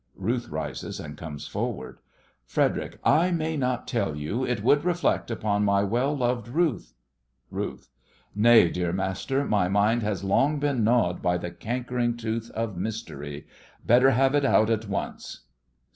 (RUTH rises and comes forward) FREDERIC: I may not tell you; it would reflect upon my well loved Ruth. RUTH: Nay, dear master, my mind has long been gnawed by the cankering tooth of mystery. Better have it out at once.